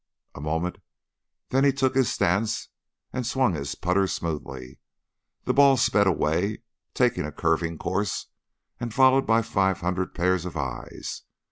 A moment, then he took his stance and swung his putter smoothly. The ball sped away, taking a curving course, and followed by five hundred pairs of eyes.